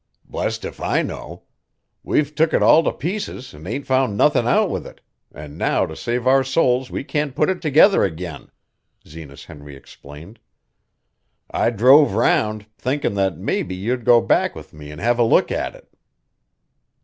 "Blest if I know. We've took it all to pieces an' ain't found nothin' out with it, an' now to save our souls we can't put it together again," Zenas Henry explained. "I drove round, thinkin' that mebbe you'd go back with me an' have a look at it."